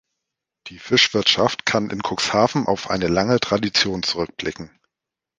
Die Fischwirtschaft kann in Cuxhaven auf eine lange Tradition zurückblicken.